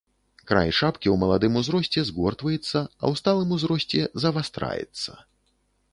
Край шапкі ў маладым узросце згортваецца, а ў сталым узросце завастраецца.